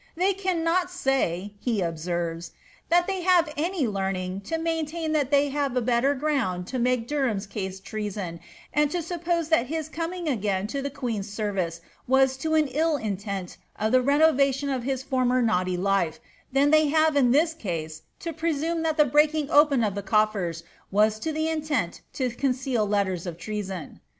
They cannot say,'' he observes, ^ that they have any ming, to maintain that they have a better ground to make Derham's le treason, and to suppose that his coming again to the queen's ser e was to an ill intent of the renovation of his former naughty life, in they have, in this case, to presume that the breaking open of the Ten was to the intent to conceal letters of treason."